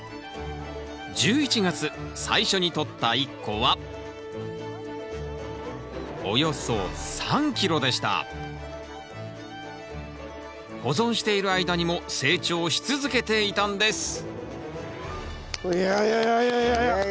１１月最初にとった一個はおよそ保存している間にも成長し続けていたんですいやいやいやいや。